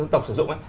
tộc sử dụng